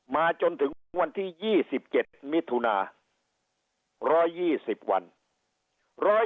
มาจนถึงวันที่ยี่สิบเจ็ดมิทุนาร้อยยี่สิบวันร้อย